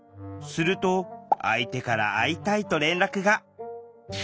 すると相手から「会いたい」と連絡が。